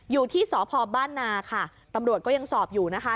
อยู่ที่สพบ้านนาค่ะตำรวจก็ยังสอบอยู่นะคะ